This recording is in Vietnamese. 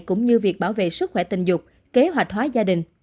cũng như việc bảo vệ sức khỏe tình dục kế hoạch hóa gia đình